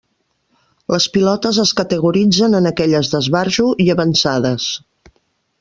Les pilotes es categoritzen en aquelles d'esbarjo, i avançades.